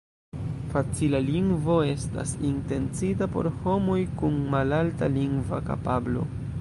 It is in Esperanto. Facila Lingvo estas intencita por homoj kun malalta lingva kapablo.